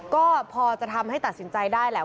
ก็พอจะทำให้ตัดสินใจได้แหละ